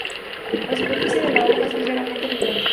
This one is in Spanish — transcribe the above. La superficie de la hoja es ligeramente brillante.